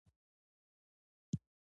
افغانستان د اسیا زړه هیواد ده